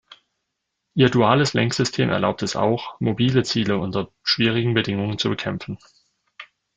Ihr duales Lenksystem erlaubt es auch, mobile Ziele unter schwierigen Bedingungen zu bekämpfen.